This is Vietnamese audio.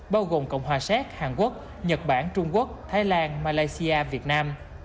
bao gồm cộng hòa xét hàn quốc nhật bản trung quốc thái lan malaysia việt nam